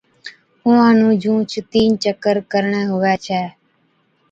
اُونھان نُون جُونھچ تين چڪر ڪرڻي ھُوي ڇَي